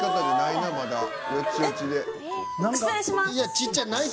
いやちっちゃい。